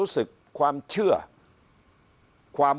พักพลังงาน